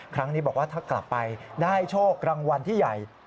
ครั้งนี้บอกว่าถ้ากลับไปได้โชครางวัลที่ใหญ่